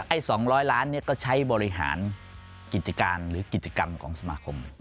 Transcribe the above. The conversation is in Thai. ๒๐๐ล้านเนี่ยก็ใช้บริหารกิจการหรือกิจกรรมของสมาคม